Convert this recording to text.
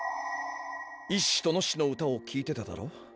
イシシとノシシの歌をきいてただろ。